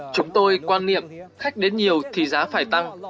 chúng tôi quan niệm khách đến nhiều thì giá phải tăng